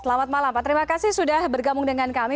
selamat malam pak terima kasih sudah bergabung dengan kami